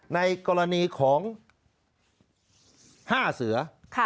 ในกรณีของ๕เสือ